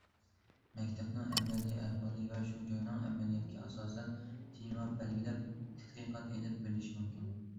مەكتەپنىڭ ئەمەلىي ئەھۋالى ۋە شۇ جاينىڭ ئەمەلىيىتىگە ئاساسەن تېما بەلگىلەپ تەتقىقات ئېلىپ بېرىلىشى مۇمكىن.